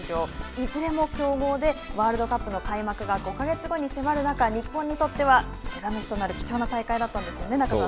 いずれも強豪でワールドカップの開幕が５か月後に迫る中日本にとっては腕試しとなる貴重な大会だったんですよね